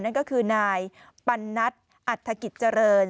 นั่นก็คือนายปันนัทอัฐกิจเจริญ